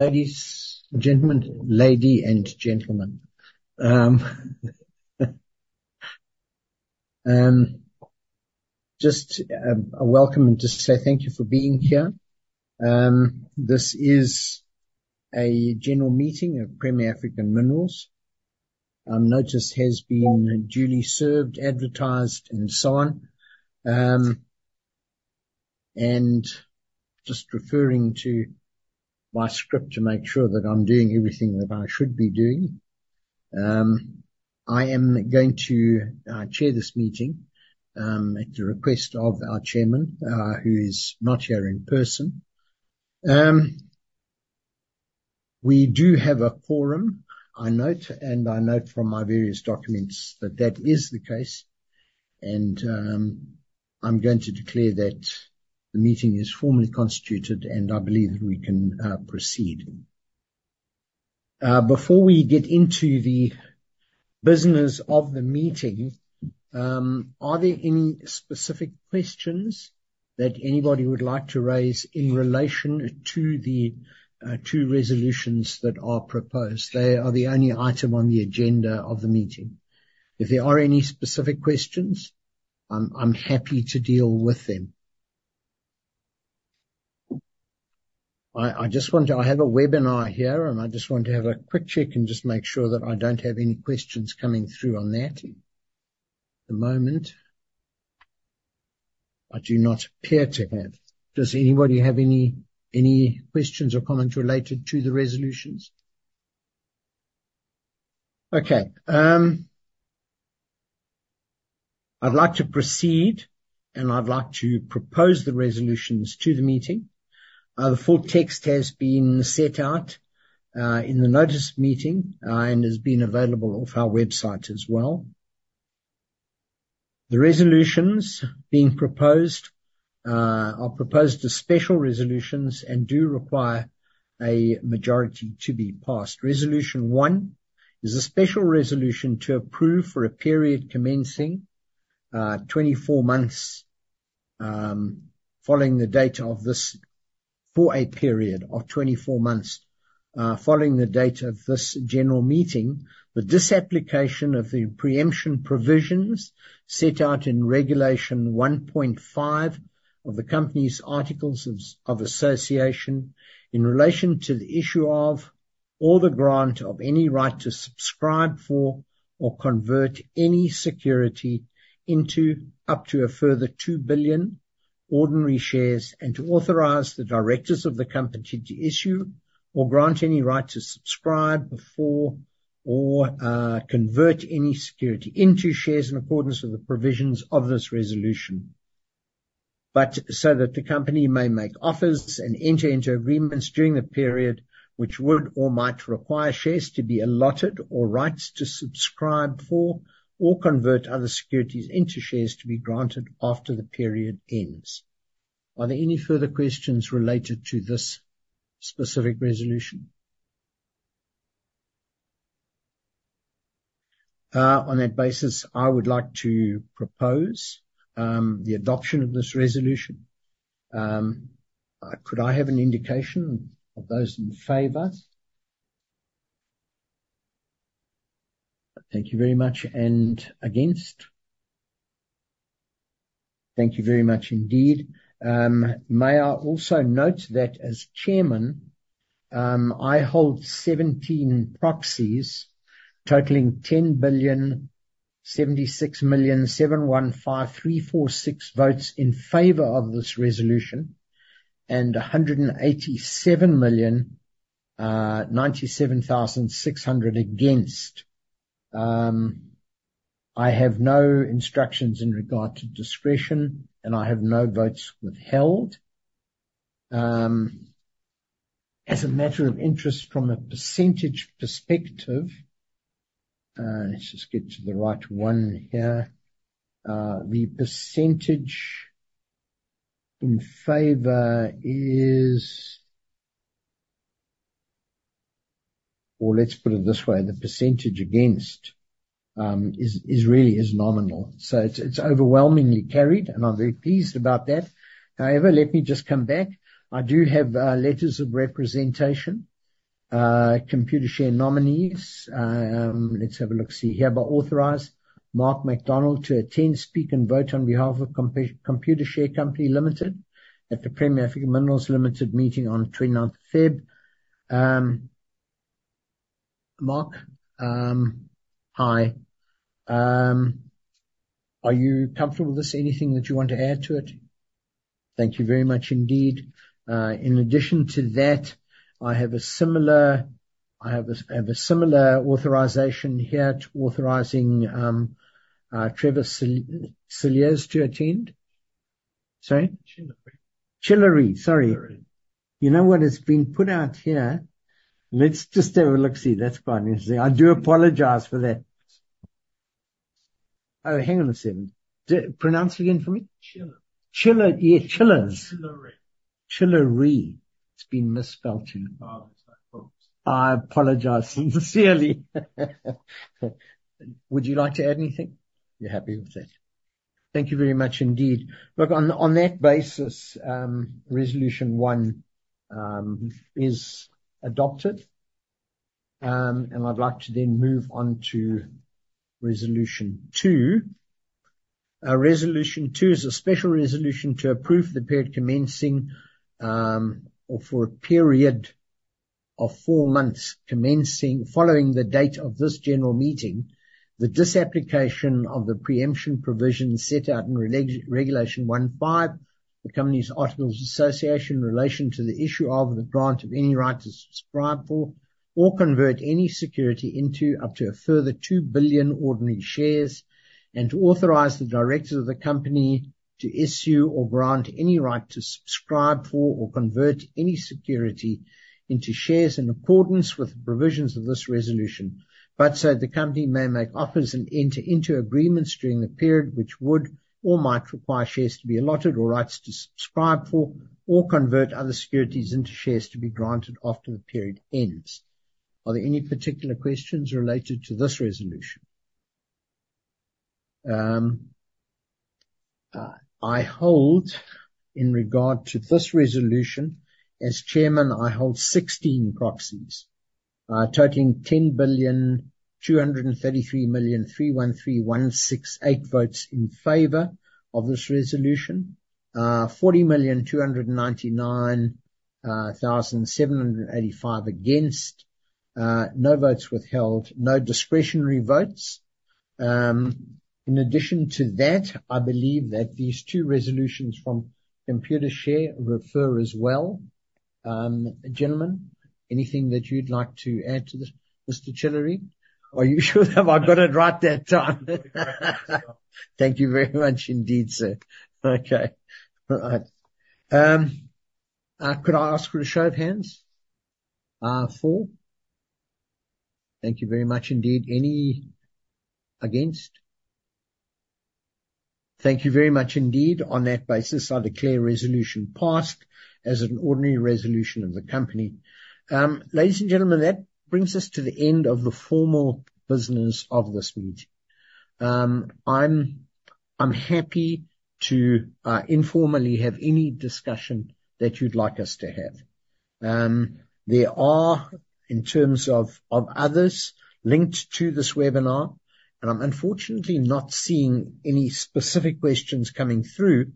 Ladies, gentlemen, lady and gentleman. Just welcome and just say thank you for being here. This is a general meeting of Premier African Minerals. Notice has been duly served, advertised, and so on. Just referring to my script to make sure that I'm doing everything that I should be doing. I am going to chair this meeting at the request of our Chairman who is not here in person. We do have a quorum, I note, and I note from my various documents that that is the case. I'm going to declare that the meeting is formally constituted, and I believe that we can proceed. Before we get into the Business Of The Meeting, are there any specific questions that anybody would like to raise in relation to the two resolutions that are proposed? They are the only item on the agenda of the meeting. If there are any specific questions, I'm happy to deal with them. I have a webinar here, and I just want to have a quick check and just make sure that I don't have any questions coming through on that. At the moment I do not appear to have. Does anybody have any questions or comments related to the resolutions? Okay. I'd like to proceed, and I'd like to propose the resolutions to the meeting. The full text has been set out in the notice of meeting, and has been available off our website as well. The resolutions being proposed are proposed as special resolutions and do require a majority to be passed. Resolution 1 is a special resolution to approve, for a period of 24 months following the date of this general meeting, the disapplication of the pre-emption provisions set out in Regulation 1.5 of the company's articles of association in relation to the issue of, or the grant of any right to subscribe for or convert any security into up to a further 2 billion ordinary shares, and to authorize the Directors of the company to issue or grant any right to subscribe for or convert any security into shares in accordance with the provisions of this resolution. That the company may make offers and enter into agreements during the period which would or might require shares to be allotted, or rights to subscribe for or convert other securities into shares to be granted after the period ends. Are there any further questions related to this specific resolution? On that basis, I would like to propose the adoption of this resolution. Could I have an indication of those in favour? Thank you very much. Against? Thank you very much indeed. May I also note that as Chairman, I hold 17 proxies totalling 10 billion, 76 million, 715,346 votes in favour of this resolution and 187 million, 97,600 against. I have no instructions in regard to discretion, and I have no votes withheld. As a matter of interest from a percentage perspective, let's just get to the right one here. The percentage in favour is. Let's put it this way, the percentage against is really nominal. It's overwhelmingly carried, and I'm very pleased about that. However, let me just come back. I do have letters of representation, Computershare Nominees. Let's have a look-see here. By authorized Mark McDonald to attend, speak and vote on behalf of Computershare Company Limited at the Premier African Minerals Limited meeting on the 29th of February. Mark, hi. Are you comfortable with this? Anything that you want to add to it? Thank you very much indeed. In addition to that, I have a similar authorization here to authorizing Trevor Chillery to attend. Chillery. Chillery. Sorry. Chillery. You know what? It's been put out here. Let's just have a look-see. That's quite interesting. I do apologize for that. Oh, hang on a second. Pronounce it again for me. Chillery. Chillery. Yeah, Chillery. Chillery. Chillery. It's been misspelled. Oh, it's my fault. I apologize sincerely. Would you like to add anything? You're happy with that? Thank you very much indeed. Look, on that basis, Resolution 1 is adopted. I'd like to then move on to Resolution 2. Resolution 2 is a special resolution to approve for a period of four months commencing following the date of this General Meeting. The disapplication of the pre-emption provision set out in Regulation 1.5, the company's articles of association in relation to the issue or grant of any right to subscribe for or convert any security into up to a further 2 billion ordinary shares. To authorize the Directors of the company to issue or grant any right to subscribe for or convert any security into shares in accordance with the provisions of this resolution. The company may make offers and enter into agreements during the period which would or might require shares to be allotted, or rights to subscribe for or convert other securities into shares to be granted after the period ends. Are there any particular questions related to this resolution? I hold in regard to this resolution, as Chairman, 16 proxies, totalling 10,233,313,168 votes in favour of this resolution. 40,299,785 against. No votes withheld. No discretionary votes. In addition to that, I believe that these two resolutions from Computershare refer as well. Gentlemen, anything that you'd like to add to this? Mr. Chillery, are you sure that I got it right that time? Thank you very much indeed, sir. Okay. All right. Could I ask for a show of hands for? Thank you very much indeed. Any against? Thank you very much indeed. On that basis, I declare resolution passed as an ordinary resolution of the company. Ladies and gentlemen, that brings us to the end of the formal Business of This Meeting. I'm happy to informally have any discussion that you'd like us to have. There are, in terms of others linked to this webinar, and I'm unfortunately not seeing any specific questions coming through.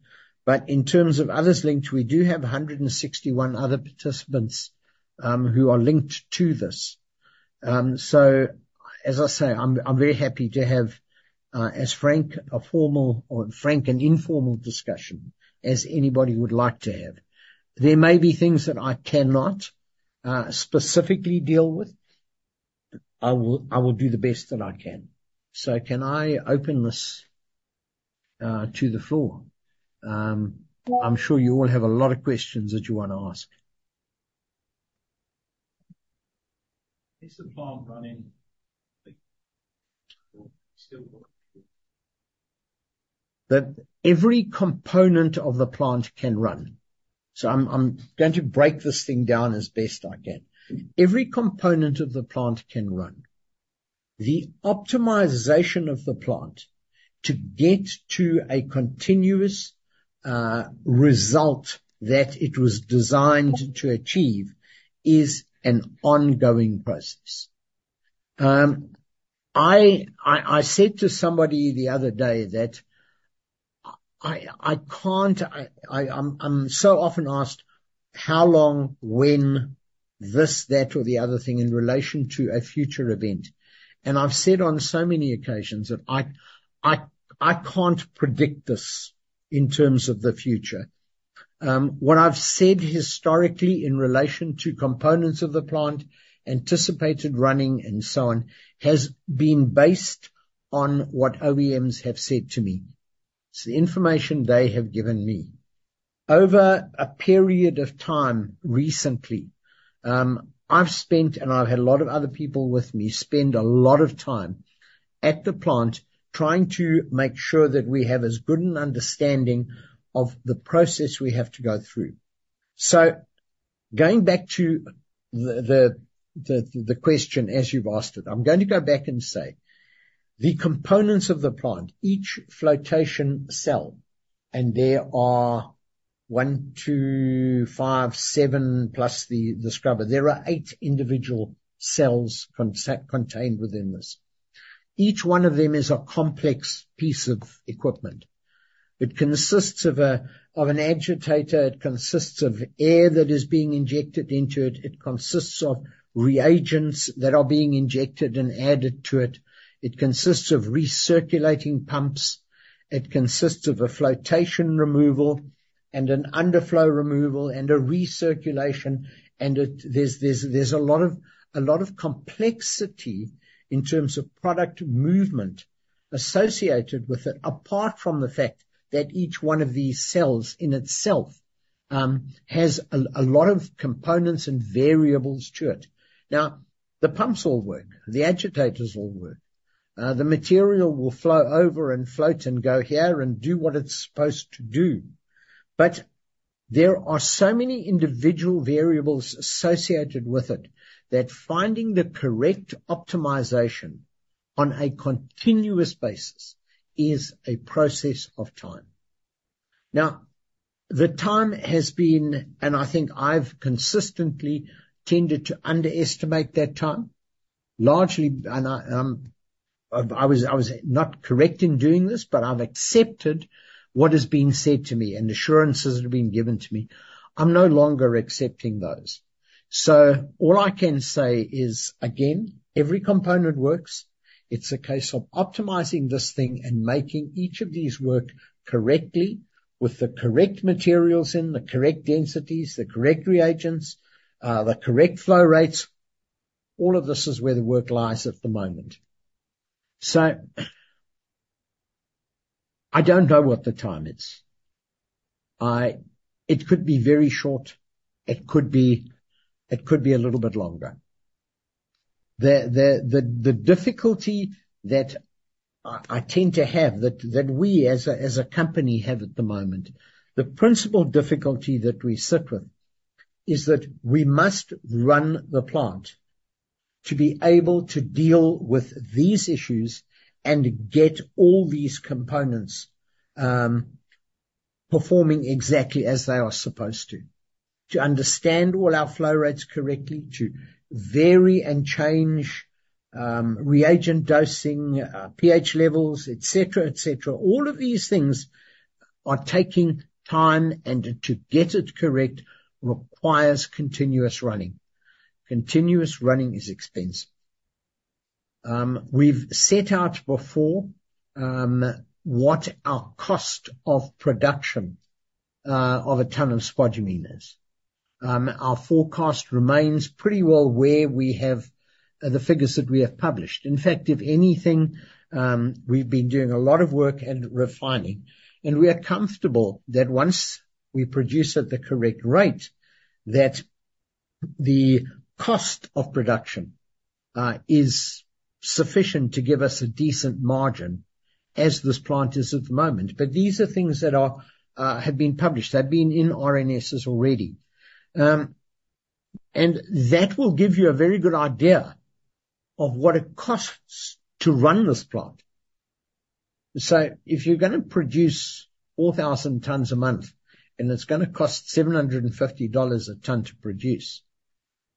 In terms of others linked, we do have 161 other participants who are linked to this. So, as I say, I'm very happy to have as frank and informal discussion as anybody would like to have. There may be things that I cannot specifically deal with. I will do the best that I can. Can I open this to the floor? I'm sure you all have a lot of questions that you wanna ask. Is the plant running or still working? That every component of the plant can run. I'm going to break this thing down as best I can. Every component of the plant can run. The optimization of the plant to get to a continuous result that it was designed to achieve is an ongoing process. I said to somebody the other day that I can't. I'm so often asked how long, when this, that, or the other thing in relation to a future event. I've said on so many occasions that I can't predict this in terms of the future. What I've said historically in relation to components of the plant anticipated running and so on, has been based on what OEMs have said to me. It's the information they have given me. Over a period of time recently, I've spent, and I've had a lot of other people with me, spend a lot of time at the plant trying to make sure that we have as good an understanding of the process we have to go through. Going back to the question as you've asked it, I'm gonna go back and say, the components of the plant, each flotation cell, and there are one, two, five, seven, plus the scrubber. There are eight individual cells contained within this. Each one of them is a complex piece of equipment. It consists of an agitator. It consists of air that is being injected into it. It consists of reagents that are being injected and added to it. It consists of recirculating pumps. It consists of a flotation removal and an underflow removal and a recirculation. There's a lot of complexity in terms of product movement associated with it, apart from the fact that each one of these cells in itself has a lot of components and variables to it. The pumps all work, the agitators all work. The material will flow over and float and go here and do what it's supposed to do. There are so many individual variables associated with it that finding the correct optimization on a continuous basis is a process of time. I think I've consistently tended to underestimate that time, largely, and I was not correct in doing this, but I've accepted what is being said to me and assurances that have been given to me. I'm no longer accepting those. All I can say is, again, every component works. It's a case of optimizing this thing and making each of these work correctly with the correct materials in, the correct densities, the correct reagents, the correct flow rates. All of this is where the work lies at the moment. I don't know what the time is. It could be very short, it could be a little bit longer. The difficulty that I tend to have that we as a company have at the moment, the principal difficulty that we sit with is that we must run the plant to be able to deal with these issues and get all these components performing exactly as they are supposed to. To understand all our flow rates correctly, to vary and change, reagent dosing, ph levels, et cetera, et cetera. All of these things are taking time, and to get it correct requires continuous running. Continuous running is expensive. We've set out before, what our cost of production, of a ton of spodumene is. Our forecast remains pretty well where we have, the figures that we have published. In fact, if anything, we've been doing a lot of work and refining, and we are comfortable that once we produce at the correct rate, that the cost of production, is sufficient to give us a decent margin as this plant is at the moment. These are things that are, have been published. They've been in RNSs already. That will give you a very good idea of what it costs to run this plant. If you're gonna produce 4,000 tons a month, and it's gonna cost $750 a ton to produce,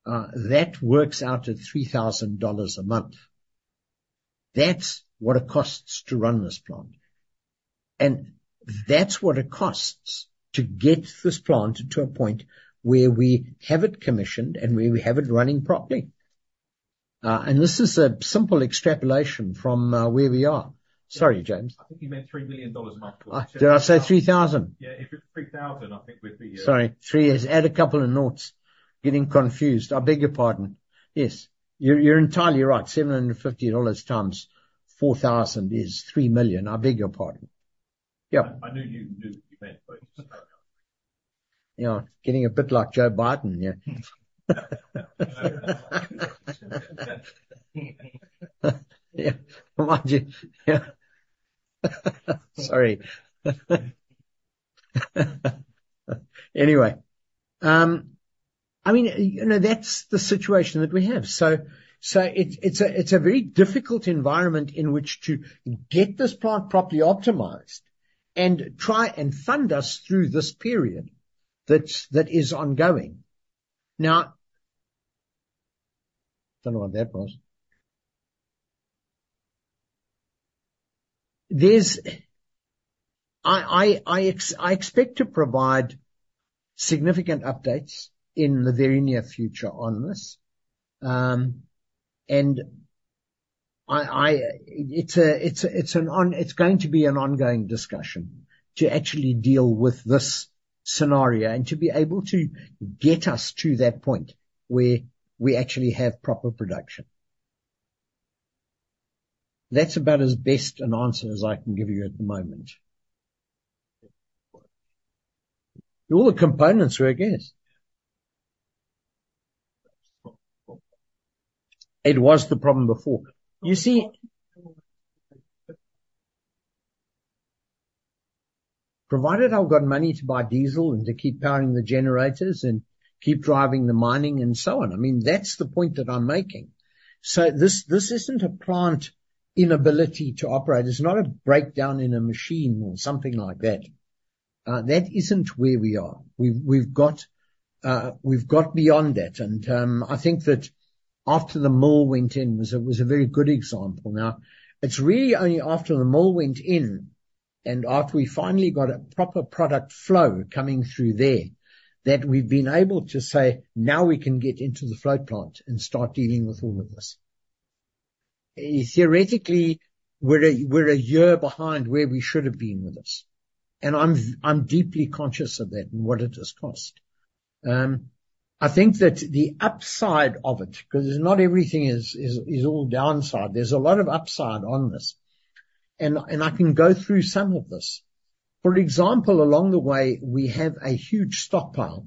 that works out at $3,000 a month. That's what it costs to run this plant, and that's what it costs to get this plant to a point where we have it commissioned and where we have it running properly. This is a simple extrapolation from where we are. Sorry, James. I think you meant $3 million a month. Did I say $3,000? Yeah, if it's $3,000, I think we'd be. Sorry. Add a couple of noughts. Getting confused. I beg your pardon. Yes. You're entirely right. $750 times 4,000 is $3 million. I beg your pardon. Yeah. I knew what you meant, but. Getting a bit like Joe Biden. Mind you. Sorry. Anyway. I mean, you know, that's the situation that we have. It's a very difficult environment in which to get this plant properly optimized and try and fund us through this period that is ongoing. Now. Don't know what that was. I expect to provide significant updates in the very near future on this. It's going to be an ongoing discussion to actually deal with this scenario and to be able to get us to that point where we actually have proper production. That's about as best an answer as I can give you at the moment. All the components work, yes. It was the problem before. Provided I've got money to buy diesel and to keep powering the generators and keep driving the mining and so on. I mean, that's the point that I'm making. This isn't a plant inability to operate. It's not a breakdown in a machine or something like that. That isn't where we are. We've got beyond that and I think that after the mill went in was a very good example. Now, it's really only after the mill went in and after we finally got a proper product flow coming through there, that we've been able to say, "Now we can get into the float plant and start dealing with all of this." Theoretically, we're a year behind where we should have been with this, and I'm deeply conscious of that and what it has cost. I think that the upside of it, 'cause not everything is all downside. There's a lot of upside on this and I can go through some of this. For example, along the way, we have a huge stockpile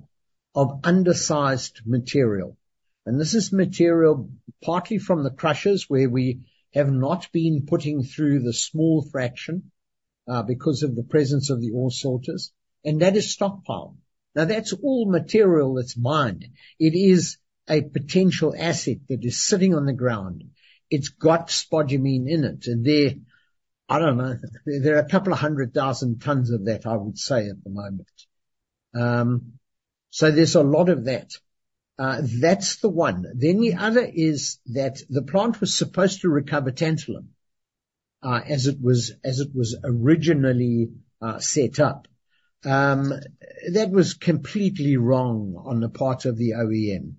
of undersized material. This is material partly from the crushers where we have not been putting through the small fraction, because of the presence of the ore sorters, and that is stockpiled. Now, that's all material that's mined. It is a potential asset that is sitting on the ground. It's got spodumene in it. I don't know. There are 200,000 tons of that, I would say, at the moment. So there's a lot of that. That's the one. The other is that the plant was supposed to recover tantalum, as it was originally set up. That was completely wrong on the part of the OEM.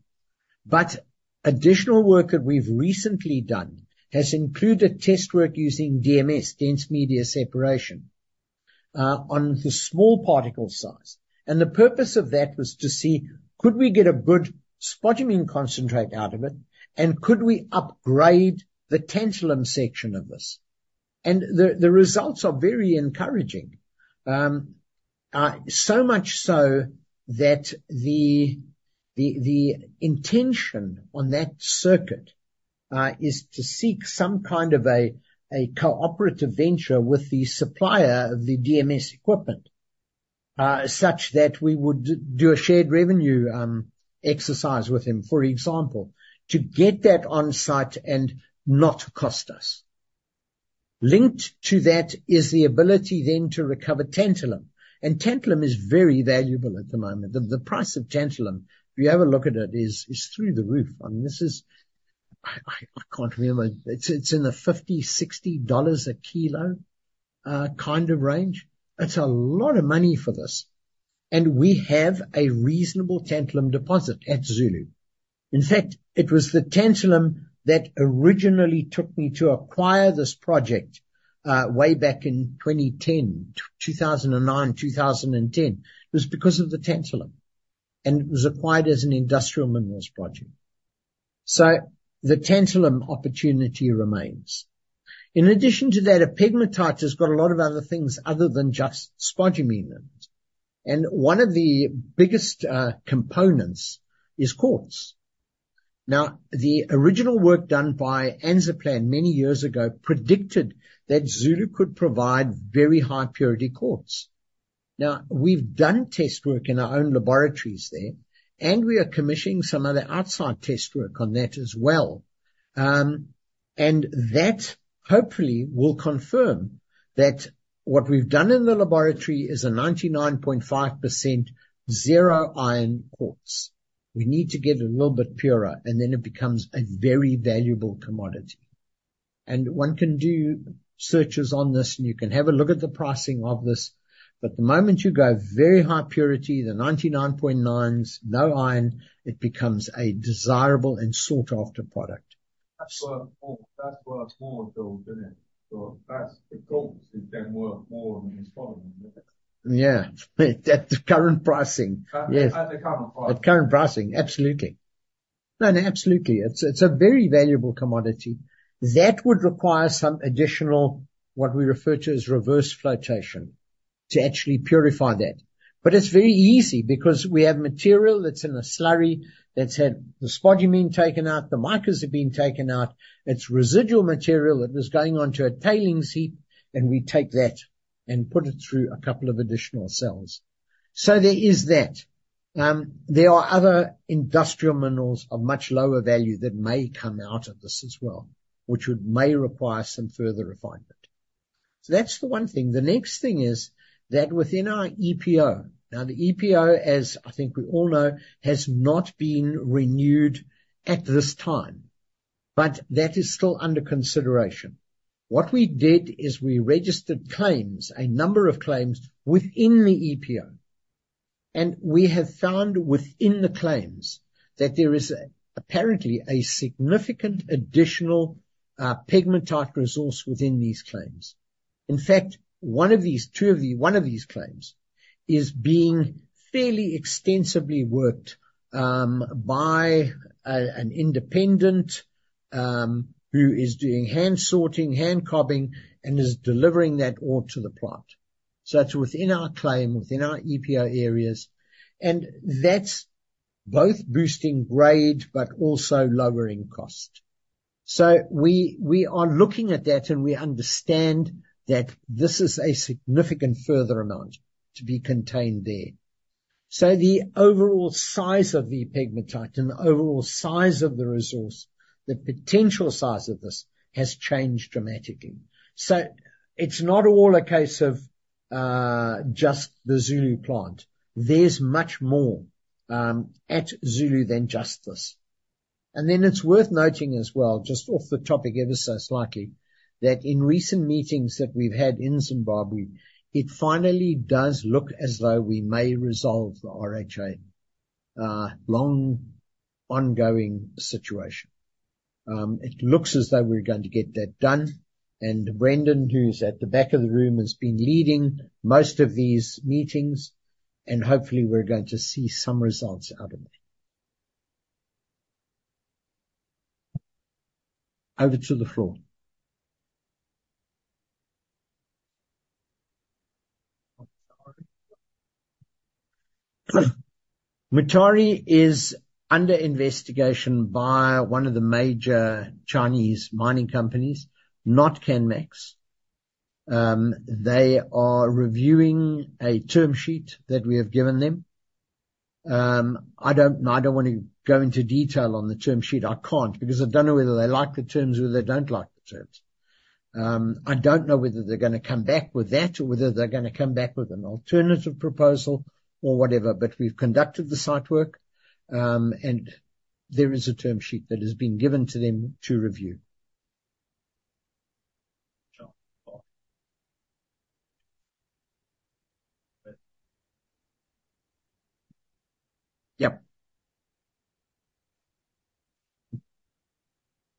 Additional work that we've recently done has included test work using DMS, Dense Media Separation, on the small particle size. The purpose of that was to see could we get a good spodumene concentrate out of it, and could we upgrade the tantalum section of this? The intention on that circuit is to seek some kind of a cooperative venture with the supplier of the DMS equipment, such that we would do a shared revenue exercise with him, for example, to get that on-site and not cost us. Linked to that is the ability then to recover tantalum, and tantalum is very valuable at the moment. The price of tantalum, if you have a look at it, is through the roof. I mean, this is. I can't remember. It's in the $50-$60 a kilo kind of range. It's a lot of money for this, and we have a reasonable tantalum deposit at Zulu. In fact, it was the tantalum that originally took me to acquire this project way back in 2009, 2010. It was because of the tantalum, and it was acquired as an industrial minerals project. The tantalum opportunity remains. In addition to that, a pegmatite has got a lot of other things other than just spodumene in it, and one of the biggest components is quartz. The original work done by Anzaplan many years ago predicted that Zulu could provide very high purity quartz. We've done test work in our own laboratories there, and we are commissioning some other outside test work on that as well. That hopefully will confirm that what we've done in the laboratory is 99.5% zero iron quartz. We need to get it a little bit purer, and then it becomes a very valuable commodity. One can do searches on this, and you can have a look at the pricing of this. The moment you go very high purity, the 99.9s, no iron, it becomes a desirable and sought-after product. That's worth more. That's worth more though, isn't it? That's the quartz is then worth more than the spodumene, isn't it? Yeah. At the current pricing. Yes. At the current price. At current pricing. Absolutely. No, absolutely. It's a very valuable commodity. That would require some additional, what we refer to as reverse flotation to actually purify that. But it's very easy because we have material that's in a slurry that's had the spodumene taken out, the micas have been taken out. It's residual material that was going onto a tailings heap, and we take that and put it through a couple of additional cells. So there is that. There are other industrial minerals of much lower value that may come out of this as well, which may require some further refinement. So that's the one thing. The next thing is that within our EPO. Now, the EPO, as I think we all know, has not been renewed at this time, but that is still under consideration. What we did is we registered claims, a number of claims within the EPO, and we have found within the claims that there is apparently a significant additional pegmatite resource within these claims. In fact, one of these claims is being fairly extensively worked by an independent who is doing hand sorting, hand cobbing, and is delivering that ore to the plant. That's within our claim, within our EPO areas, and that's both boosting grade but also lowering cost. We are looking at that, and we understand that this is a significant further amount to be contained there. The overall size of the pegmatite and the overall size of the resource, the potential size of this has changed dramatically. It's not all a case of just the Zulu plant. There's much more at Zulu than just this. Then it's worth noting as well, just off the topic ever so slightly, that in recent meetings that we've had in Zimbabwe, it finally does look as though we may resolve the RHA long ongoing situation. It looks as though we're going to get that done, and Brendan, who's at the back of the room, has been leading most of these meetings, and hopefully we're going to see some results out of that. Over to the floor. Mutare is under investigation by one of the major Chinese mining companies, not Canmax. They are reviewing a term sheet that we have given them. I don't wanna go into detail on the term sheet. I can't, because I don't know whether they like the terms or they don't like the terms. I don't know whether they're gonna come back with that or whether they're gonna come back with an alternative proposal or whatever. We've conducted the site work, and there is a term sheet that has been given to them to review. Sure. Yep.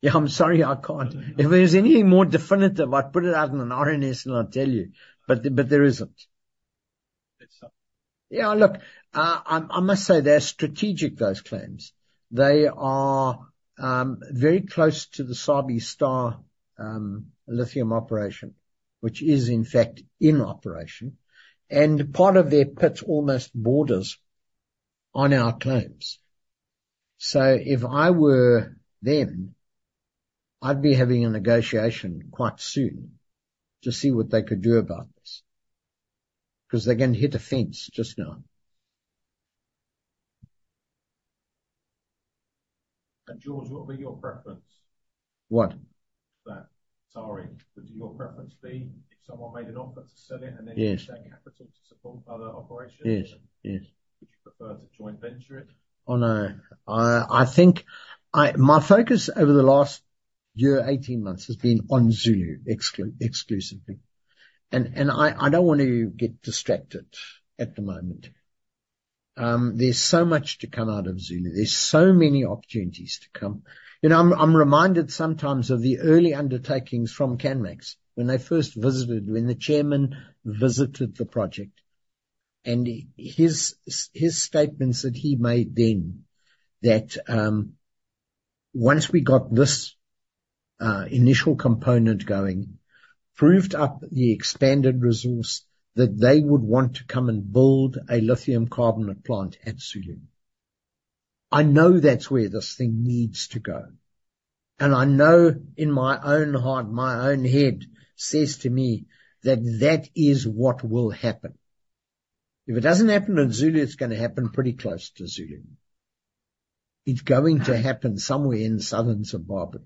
Yeah, I'm sorry, I can't. If there's anything more definitive, I'd put it out in an RNS and I'll tell you, but there isn't. It's tough. Yeah, look, I must say they're strategic, those claims. They are very close to the Sabi Star Lithium-Tantalum Project, which is in fact in operation. Part of their pits almost borders on our claims. If I were them, I'd be having a negotiation quite soon to see what they could do about this. 'Cause they're gonna hit a fence just now. George, what would be your preference? What? That Mutare. Would your preference be if someone made an offer to sell it? Yes. Use that capital to support other operations? Yes. Yes. Would you prefer to joint venture it? Oh, no. I think my focus over the last year, 18 months has been on Zulu exclusively. I don't wanna get distracted at the moment. There's so much to come out of Zulu. There's so many opportunities to come. You know, I'm reminded sometimes of the early undertakings from Canmax when they first visited, when the Chairman visited the project and his statements that he made then that, once we got this initial component going, proved up the expanded resource, that they would want to come and build a lithium carbonate plant at Zulu. I know that's where this thing needs to go. I know in my own heart, my own head says to me that that is what will happen. If it doesn't happen at Zulu, it's gonna happen pretty close to Zulu. It's going to happen somewhere in southern Zimbabwe.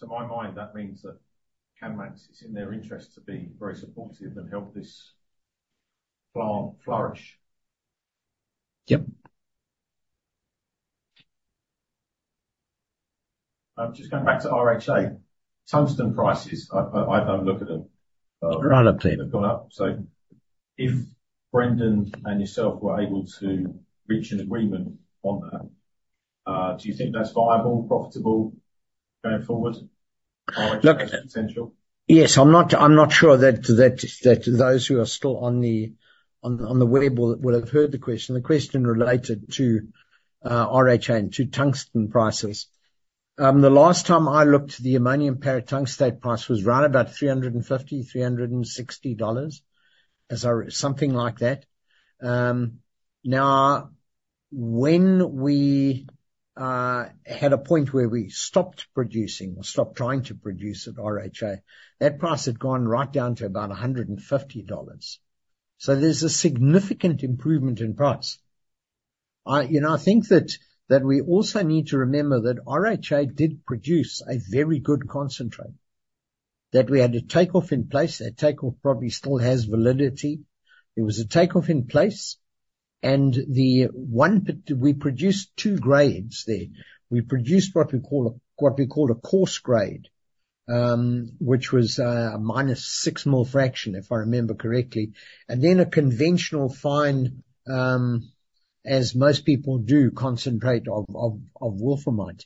To my mind, that means that Canmax, it's in their interest to be very supportive and help this plant flourish. Yep. Just going back to RHA. Tungsten prices, I don't look at them, but. They're on a plea. They've gone up. If Brendan and yourself were able to reach an agreement on that, do you think that's viable, profitable going forward? Look- RHA potential. Yes. I'm not sure that those who are still on the web will have heard the question. The question related to RHA and to tungsten prices. The last time I looked, the ammonium paratungstate price was round about $350-$360. Something like that. Now when we had a point where we stopped producing or stopped trying to produce at RHA, that price had gone right down to about $150. There's a significant improvement in price. You know, I think that we also need to remember that RHA did produce a very good concentrate. That we had a takeoff in place. That take-off probably still has validity. There was a take-off in place. We produced two grades there. We produced what we called a coarse grade, which was a -6 mm fraction, if I remember correctly, a conventional fine, as most people do, concentrate of wolframite.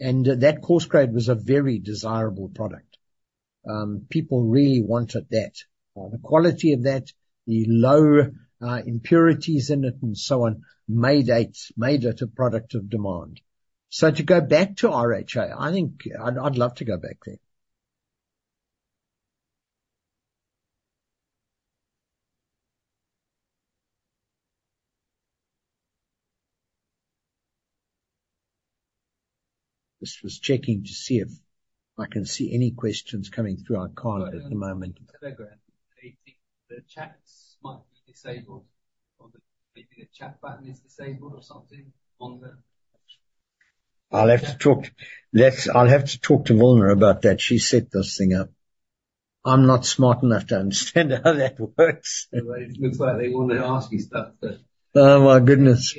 That coarse grade was a very desirable product. People really wanted that. The quality of that, the low impurities in it and so on, made it a product of demand. To go back to RHA, I think I'd love to go back there. Just was checking to see if I can see any questions coming through. I can't at the moment. Telegram. They think the chats might be disabled or that maybe the chat button is disabled or something on the I'll have to talk to Wilma about that. She set this thing up. I'm not smart enough to understand how that works. It looks like they wanna ask you stuff but. Oh my goodness.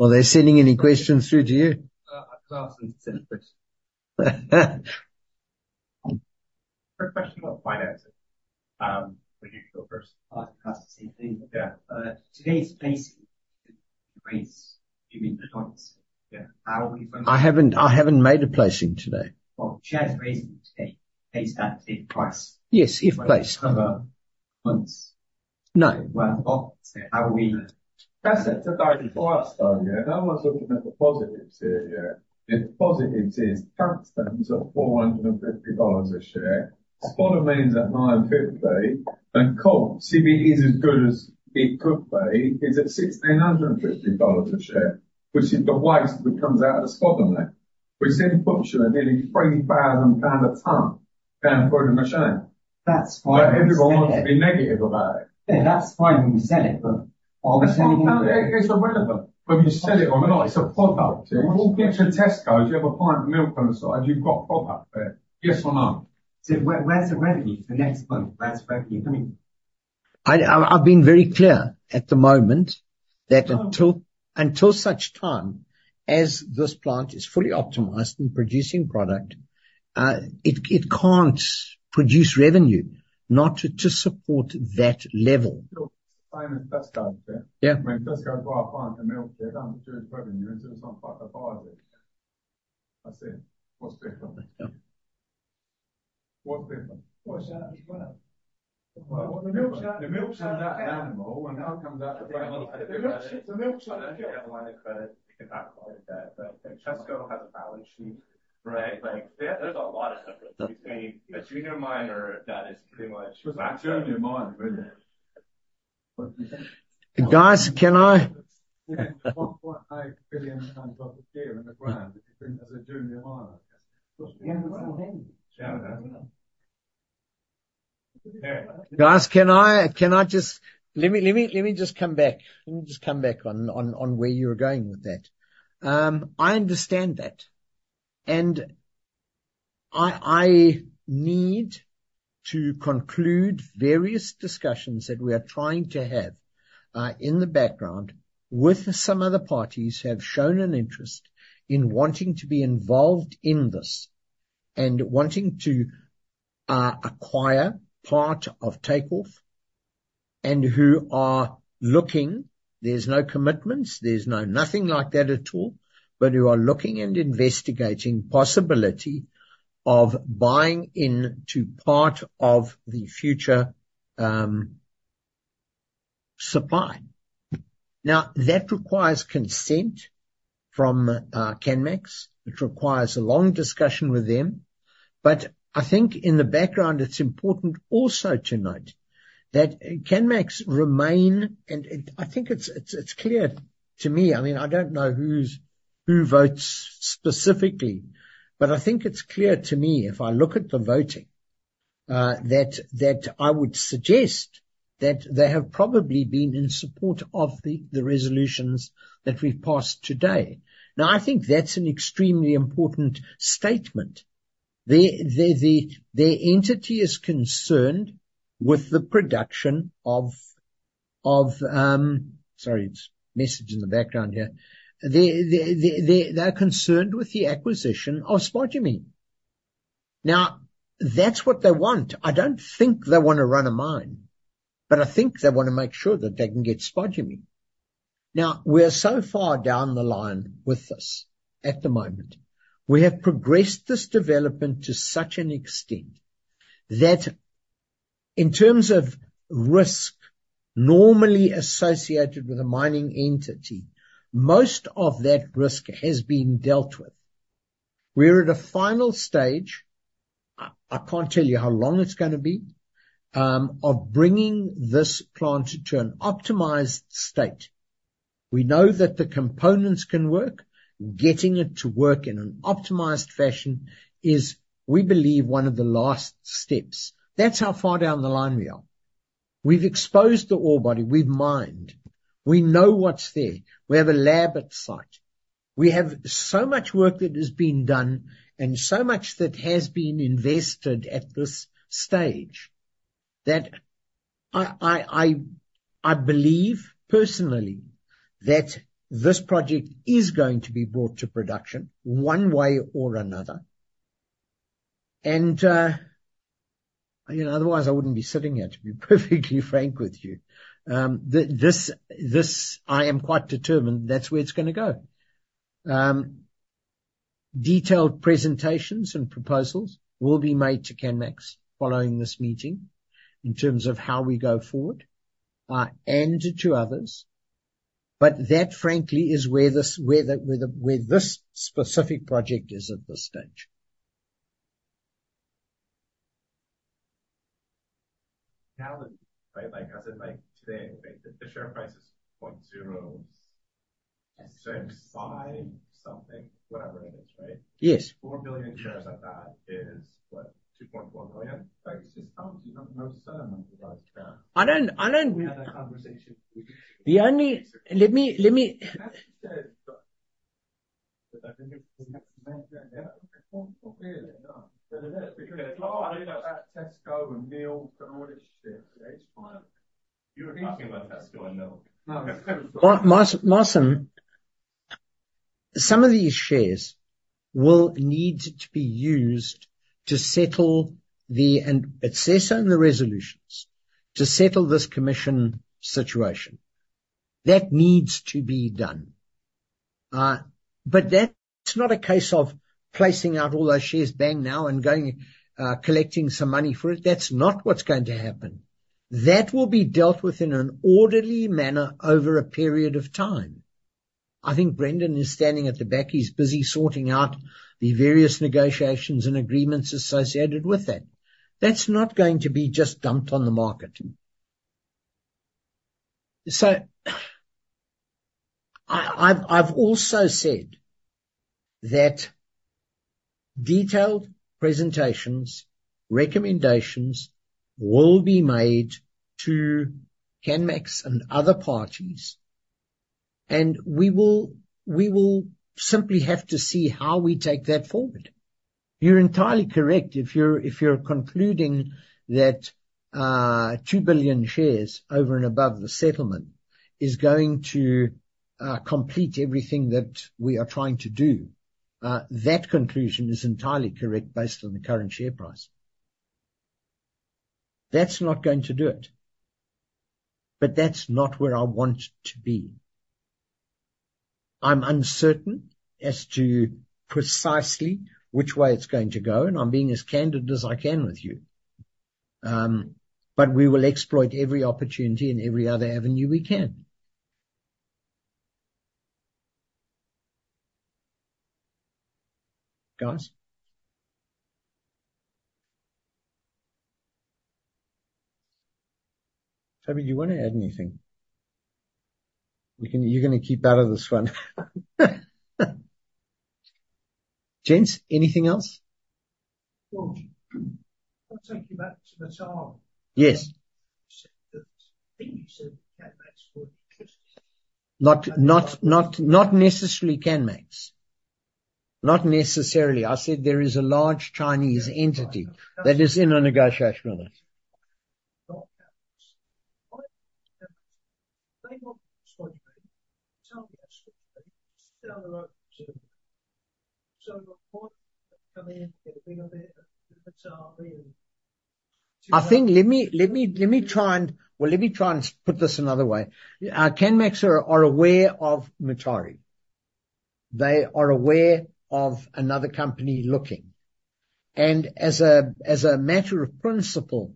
Are they sending any questions through to you? I've got some sent questions. Quick question about financing. You go first. I'll have to pass the same thing. Yeah. Today's placing raise, you mean the points? Yeah. How are we gonna- I haven't made a placing today. Well, shares raised today at that issue price. Yes, if placed. Well, obviously, how we That's it. Today, before I start, yeah. No one's looking at the positives here yet. The positives is platinum at $450 a share. Spodumene's at $950. And coltan, if it is as good as it could be, is at $1,650 a share, which is the waste that comes out of the spodumene. Which in production is nearly 30,000 pounds a ton, pounds for the machine. That's fine when you sell it. Everyone wants to be negative about it. Yeah, that's fine when you sell it, but. It's irrelevant whether you sell it or not. It's a product. If you walk into a Tesco, you have a pint of milk on the side, you've got product there. Yes or no? Where's the revenue for the next month? Where's the revenue coming? I've been very clear at the moment that until such time as this plant is fully optimized in producing product, it can't produce revenue not to support that level. Same as Tesco, yeah. Yeah. When Tesco buy a pint of milk, yeah, it doesn't produce revenue until someone buys it. That's it. What's different? Yeah. What's different? Well. The milk's at that animal and how it comes out the other end. The milk's- The milk's on the shelf. They have a line of credit. They can't call it that, but Tesco has a balance sheet, right? Like, there's a lot of difference between a junior miner that is pretty much- It's not a junior miner, is it? What do you think? Guys, can I? Yeah. 1.8 billion tons of ore there in the ground as a junior miner. Yeah, well then. Yeah. Guys, let me just come back. Let me just come back on where you were going with that. I understand that, and I need to conclude various discussions that we are trying to have in the background with some of the parties who have shown an interest in wanting to be involved in this and wanting to acquire part of take-off and who are looking. There's no commitments, there's no nothing like that at all. Who are looking and investigating possibility of buying into part of the future supply. Now, that requires consent from Canmax. It requires a long discussion with them. I think in the background, it's important also to note that Canmax remains. I think it's clear to me. I mean, I don't know who votes specifically, but I think it's clear to me if I look at the voting that I would suggest that they have probably been in support of the resolutions that we've passed today. Now, I think that's an extremely important statement. Sorry, it's a message in the background here. They're concerned with the acquisition of spodumene. Now, that's what they want. I don't think they wanna run a mine, but I think they wanna make sure that they can get spodumene. Now, we are so far down the line with this at the moment. We have progressed this development to such an extent that in terms of risk normally associated with a mining entity, most of that risk has been dealt with. We're at a final stage, I can't tell you how long it's gonna be, of bringing this plant to an optimized state. We know that the components can work. Getting it to work in an optimized fashion is, we believe, one of the last steps. That's how far down the line we are. We've exposed the ore body. We've mined. We know what's there. We have a lab at site. We have so much work that has been done and so much that has been invested at this stage that I believe personally that this project is going to be brought to production one way or another. You know, otherwise, I wouldn't be sitting here, to be perfectly frank with you. This, I am quite determined that's where it's gonna go. Detailed presentations and proposals will be made to Canmax following this meeting in terms of how we go forward, and to others. That, frankly, is where this specific project is at this stage. Right, like, as in, like, today, right? The share price is 0.065 something, whatever it is, right? Yes. 4 billion shares at that is, what? 2.4 million. Like, it's just comes, you know. No sudden multiplied share. I know. We had that conversation. Let me That's what I said. I think it's. Not really, no. It is because. It's like Tesco and milk and all this shit. It's fine. You were talking about Tesco and milk. No. Massim, some of these shares will need to be used to settle and it says so in the resolutions, to settle this commission situation. That needs to be done. But that's not a case of placing out all those shares bang now and going, collecting some money for it. That's not what's going to happen. That will be dealt with in an orderly manner over a period of time. I think Brendan is standing at the back. He's busy sorting out the various negotiations and agreements associated with that. That's not going to be just dumped on the market. I've also said that detailed presentations, recommendations will be made to Canmax and other parties, and we will simply have to see how we take that forward. You're entirely correct if you're concluding that 2 billion shares over and above the settlement is going to complete everything that we are trying to do. That conclusion is entirely correct based on the current share price. That's not going to do it. That's not where I want to be. I'm uncertain as to precisely which way it's going to go, and I'm being as candid as I can with you. We will exploit every opportunity and every other avenue we can. Guys? Toby, do you wanna add anything? You're gonna keep out of this one. Gents, anything else? George, I'll take you back to Mutare. Yes. You said that, I think you said Canmax would be interested. Not necessarily Canmax. I said there is a large Chinese entity- Yeah. I know. That is in a negotiation with us. Not Canmax. Why Canmax? They want spodumene. Mutare has spodumene just down the road in Zulu. Why come in, get a bit of it at Mutare and- Let me try and put this another way. Canmax are aware of Mutare. They are aware of another company looking. As a matter of principle,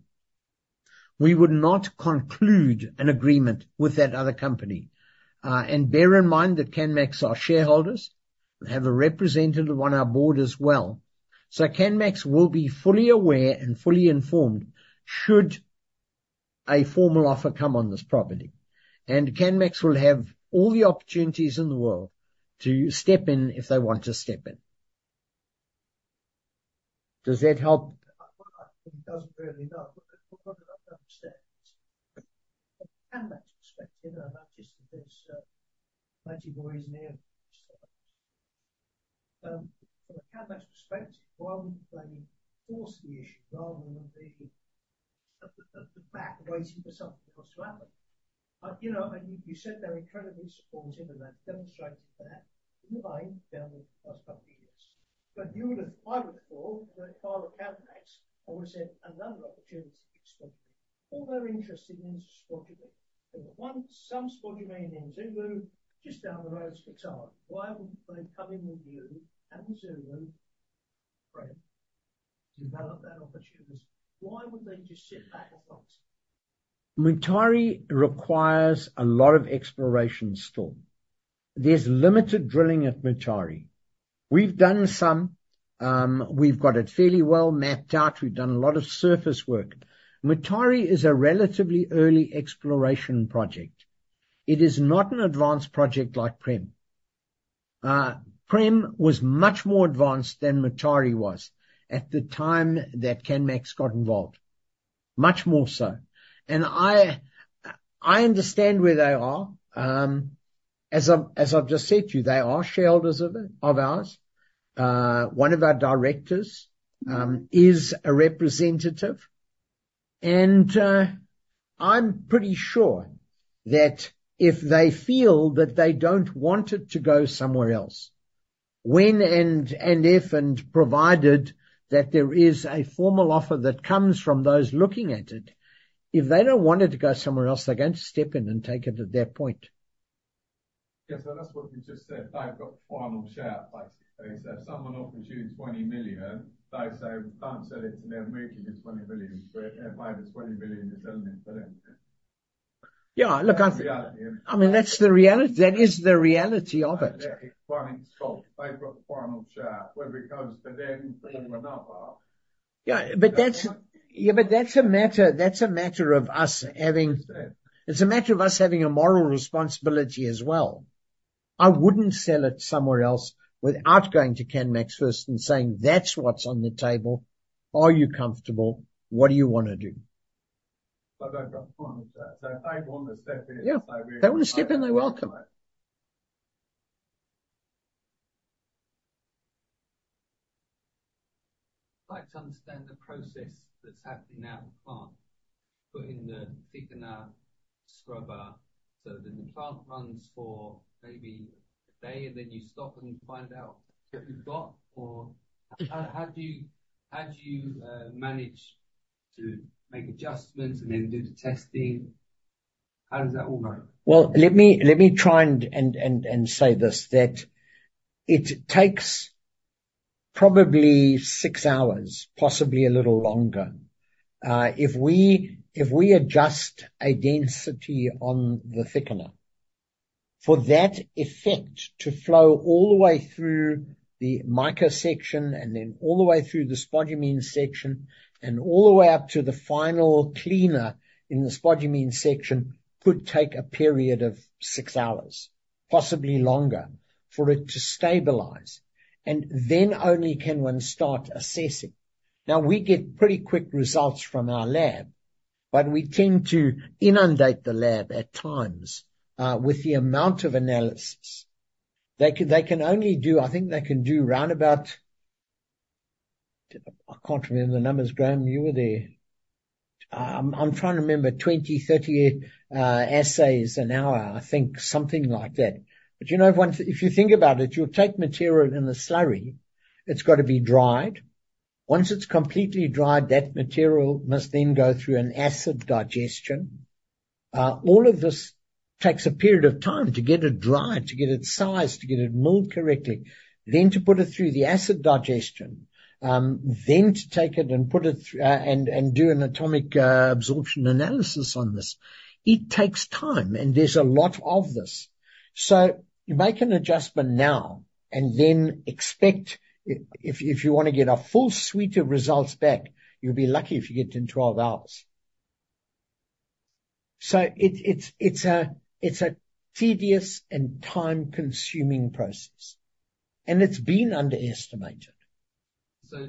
we would not conclude an agreement with that other company. Bear in mind that Canmax are shareholders. They have a representative on our board as well. Canmax will be fully aware and fully informed should a formal offer come on this property. Canmax will have all the opportunities in the world to step in if they want to step in. Does that help? Well, it doesn't really, no. What I'd like to understand is, from a Canmax perspective, I know that there's plenty of noise in the air. From a Canmax perspective, why wouldn't they force the issue rather than being at the back waiting for something else to happen? You know, and you said they're incredibly supportive, and they've demonstrated that in the way they have over the past couple of years. You would have. I would have thought that if I were Canmax, I would have said, "Another opportunity for spodumene." Or they're interested in spodumene. There's some spodumene in Zulu just down the road at Mutare. Why wouldn't they come in with you and Zulu, PREM, to develop that opportunity? Why would they just sit back and watch? Mutare requires a lot of exploration still. There's limited drilling at Mutare. We've done some, we've got it fairly well mapped out. We've done a lot of surface work. Mutare is a relatively early exploration project. It is not an advanced project like PREM. PREM was much more advanced than Mutare was at the time that Canmax got involved. Much more so. I understand where they are. As I've just said to you, they are shareholders of it, of ours. One of our directors is a representative. I'm pretty sure that if they feel that they don't want it to go somewhere else, if and provided that there is a formal offer that comes from those looking at it, if they don't want it to go somewhere else, they're going to step in and take it at that point. Yeah. That's what you just said. They've got final say, basically. If someone offers you 20 million, they say, "We can't sell it to them. We're giving you GBP 20 million." If they have 20 million, you're selling it to them. Yeah. Look, That's the reality isn't it. I mean, that's the reality. That is the reality of it. They're calling the shots. They've got final say. When it comes to them calling one another. Yeah, that's a matter of us having- Understood. It's a matter of us having a moral responsibility as well. I wouldn't sell it somewhere else without going to Canmax first and saying, "That's what's on the table. Are you comfortable? What do you wanna do? They've got final say. If they wanna step in and say Yeah. If they wanna step in, they're welcome. I'd like to understand the process that's happening at the plant. Putting the thickener, scrubber so that the plant runs for maybe a day, and then you stop and find out what you've got or how do you manage to make adjustments and then do the testing. How does that all go? Well, let me try and say this, that it takes probably six hours, possibly a little longer. If we adjust a density on the thickener, for that effect to flow all the way through the mica section and then all the way through the spodumene section and all the way up to the final cleaner in the spodumene section, could take a period of six hours, possibly longer, for it to stabilize. Then only can one start assessing. Now we get pretty quick results from our lab, but we tend to inundate the lab at times with the amount of analysis. They can only do. I think they can do round about. I can't remember the numbers, Graham, you were there. I'm trying to remember 20, 30 assays an hour, I think something like that. You know, if you think about it, you'll take material in a slurry. It's got to be dried. Once it's completely dried, that material must then go through an acid digestion. All of this takes a period of time to get it dried, to get it sized, to get it milled correctly, then to put it through the acid digestion, then to take it and put it through and do an atomic absorption analysis on this. It takes time, and there's a lot of this. You make an adjustment now and then expect if you wanna get a full suite of results back, you'll be lucky if you get it in 12 hours. It's a tedious and time-consuming process, and it's been underestimated. Since the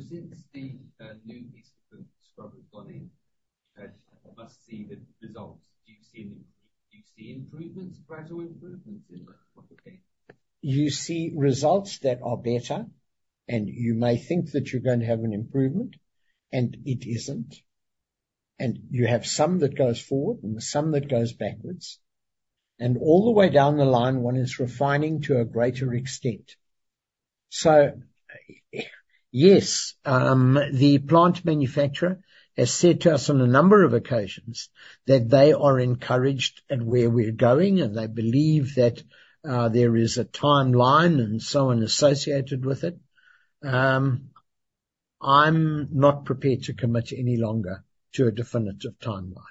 new piece of equipment has gone in, you must see the results. Do you see improvements, gradual improvements in the property? You see results that are better, and you may think that you're gonna have an improvement, and it isn't. You have some that goes forward and some that goes backwards. All the way down the line, one is refining to a greater extent. Yes, the plant manufacturer has said to us on a number of occasions that they are encouraged at where we're going, and they believe that there is a timeline and so on associated with it. I'm not prepared to commit any longer to a definitive timeline.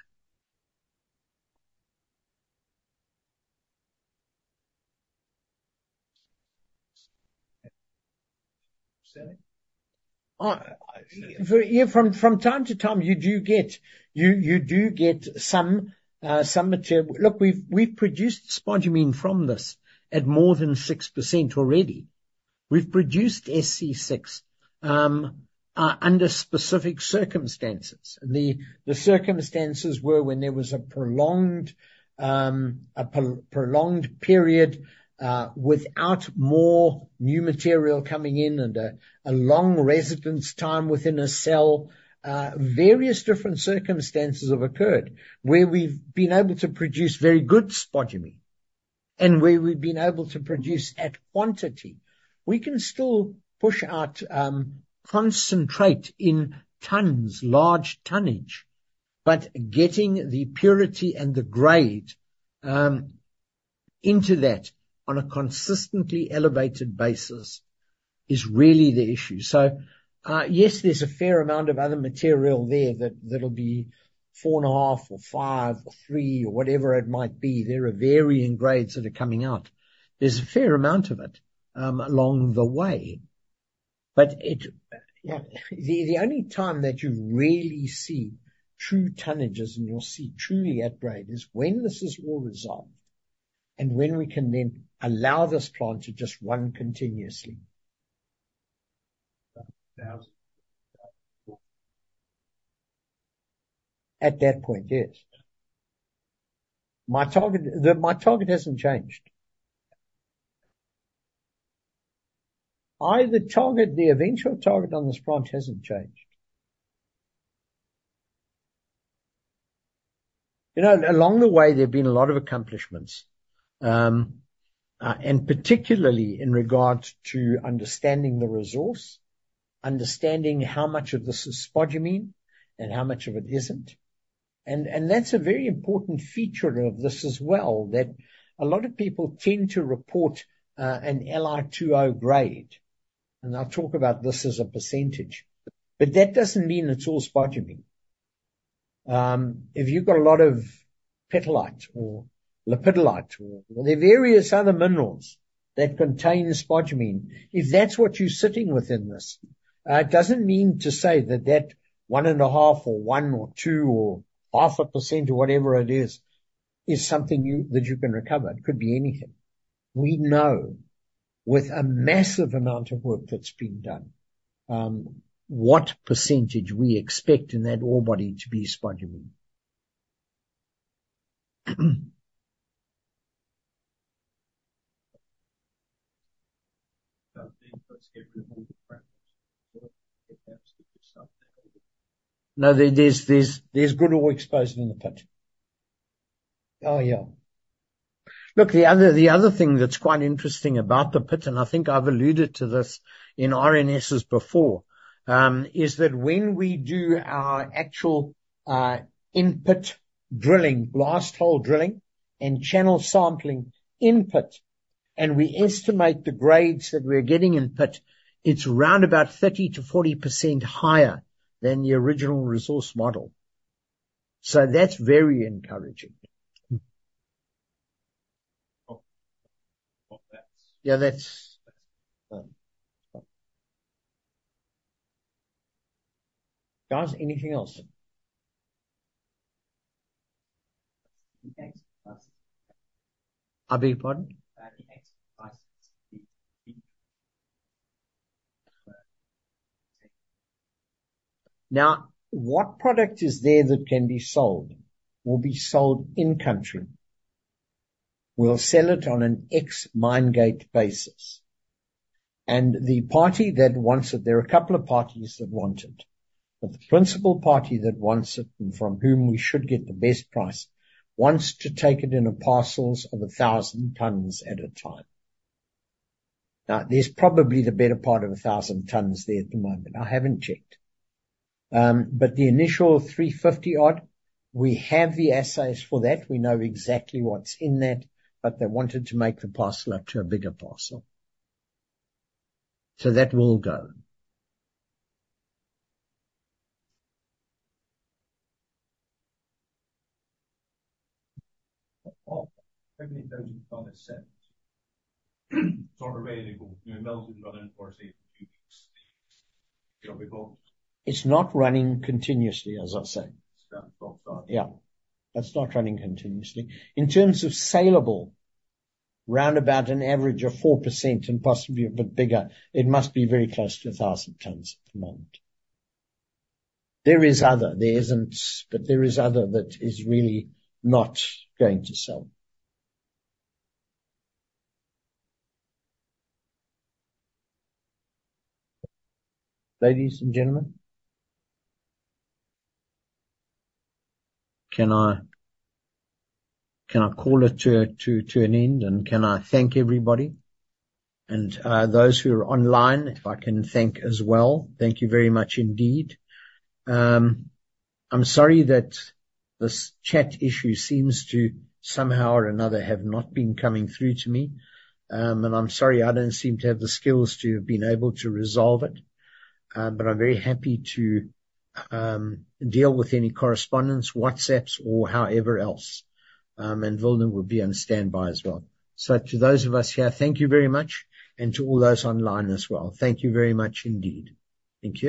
From time to time, you do get some material. Look, we've produced spodumene from this at more than 6% already. We've produced SC6 under specific circumstances. The circumstances were when there was a prolonged period without more new material coming in and a long residence time within a cell. Various different circumstances have occurred where we've been able to produce very good spodumene and where we've been able to produce at quantity. We can still push out concentrate in tons, large tonnage. Getting the purity and the grade into that on a consistently elevated basis is really the issue. Yes, there's a fair amount of other material there that that'll be 4.5 or five or three or whatever it might be. There are varying grades that are coming out. There's a fair amount of it along the way. Yeah, the only time that you really see true tonnages and you'll see truly at grade is when this is all resolved and when we can then allow this plant to just run continuously. At that point, yes. My target hasn't changed. The target, the eventual target on this plant hasn't changed. You know, along the way there have been a lot of accomplishments, and particularly in regard to understanding the resource, understanding how much of this is spodumene and how much of it isn't. That's a very important feature of this as well, that a lot of people tend to report an Li2O grade, and I'll talk about this as a percentage. That doesn't mean it's all spodumene. If you've got a lot of petalite or lepidolite or the various other minerals that contain spodumene, if that's what you're sitting with in this, it doesn't mean to say that 1.5% or 1% or 2% or 0.5% or whatever it is something you, that you can recover. It could be anything. We know with a massive amount of work that's been done, what percentage we expect in that ore body to be spodumene. No, there's good ore exposed on the patch. Oh, yeah. Look, the other thing that's quite interesting about the pit, and I think I've alluded to this in RNSs before, is that when we do our actual in-pit drilling, blast hole drilling and channel sampling in pit, and we estimate the grades that we're getting in pit, it's round about 30%-40% higher than the original resource model. That's very encouraging. Oh. Well, that's. Yeah, that's. Guys, anything else? The exit price. I beg your pardon? The exit price. What product is there that can be sold will be sold in country. We'll sell it on an ex-mine gate basis. The party that wants it. There are a couple of parties that want it. The principal party that wants it, and from whom we should get the best price, wants to take it in parcels of 1,000 tonnes at a time. Now, there's probably the better part of 1,000 tonnes there at the moment. I haven't checked. But the initial 350 odd, we have the assays for that. We know exactly what's in that, but they wanted to make the parcel up to a bigger parcel. That will go. Well, hopefully those in front are sent. It's not available. The mill's been running for, say, two weeks, you know. It's not running continuously, as I say. It's gonna stop. Yeah. That's not running continuously. In terms of saleable, round about an average of 4% and possibly a bit bigger, it must be very close to 1,000 tons at the moment. There is other that is really not going to sell. Ladies and gentlemen, can I call it to an end, and can I thank everybody? Those who are online, if I can thank as well. Thank you very much indeed. I'm sorry that this chat issue seems to somehow or another have not been coming through to me. I'm sorry I don't seem to have the skills to have been able to resolve it. I'm very happy to deal with any correspondence, WhatsApp or however else. Wilna will be on standby as well. To those of us here, thank you very much, and to all those online as well. Thank you very much indeed. Thank you.